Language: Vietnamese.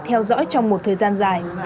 theo dõi trong một thời gian dài